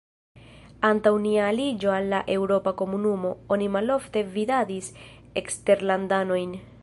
Antaŭ nia aliĝo al la eŭropa komunumo, oni malofte vidadis eksterlandanojn.